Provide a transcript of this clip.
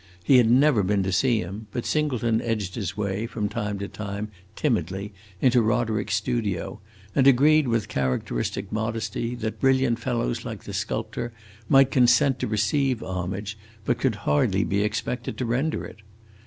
He had never been to see him, but Singleton edged his way, from time to time, timidly, into Roderick's studio, and agreed with characteristic modesty that brilliant fellows like the sculptor might consent to receive homage, but could hardly be expected to render it.